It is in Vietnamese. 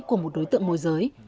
của một đối tượng môi giới